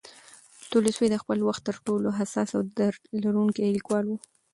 تولستوی د خپل وخت تر ټولو حساس او درک لرونکی لیکوال و.